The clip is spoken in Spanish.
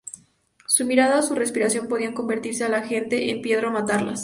Su mirada o su respiración podían convertir a la gente en piedra o matarlas.